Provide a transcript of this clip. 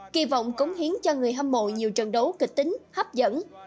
kỳ vọng cống hiến cho người hâm mộ nhiều trận đấu kịch tính hấp dẫn